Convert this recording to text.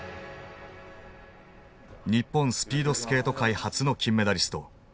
日本スピードスケート界初の金メダリスト